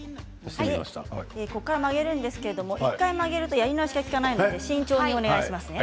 ここから曲げるんですが１回曲げるとやり直しが利かないので慎重にお願いしますね。